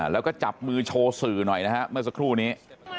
แล้วก็จับมือโชว์สื่อหน่อยนะฮะเมื่อสักครู่นี้